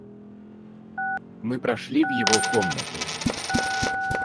Мы прошли в его комнату.